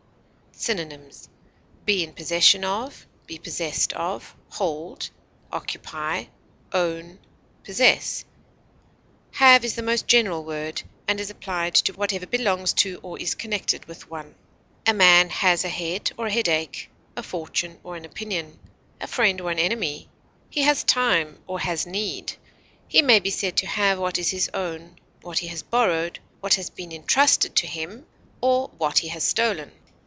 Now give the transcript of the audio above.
Synonyms: be in possession of, hold, occupy, own, possess. be possessed of, Have is the most general word, and is applied to whatever belongs to or is connected with one; a man has a head or a head ache, a fortune or an opinion, a friend or an enemy; he has time, or has need; he may be said to have what is his own, what he has borrowed, what has been entrusted to him, or what he has stolen.